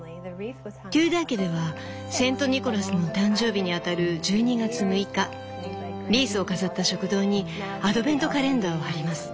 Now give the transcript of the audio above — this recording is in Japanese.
テューダー家ではセント・ニコラスの誕生日にあたる１２月６日リースを飾った食堂にアドベントカレンダーを貼ります。